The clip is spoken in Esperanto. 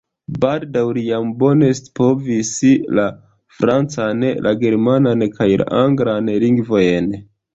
Baldaŭ li jam bone scipovis la francan, la germanan kaj la anglan lingvojn.